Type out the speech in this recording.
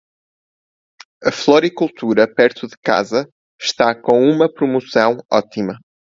A floricultura perto de casa está com uma promoção ótima.